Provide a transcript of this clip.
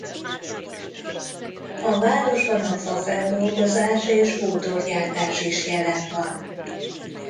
A városban a fafeldolgozás és bútorgyártás is jelen van.